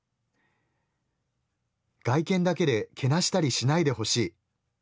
外見だけでけなしたりしないで欲しい。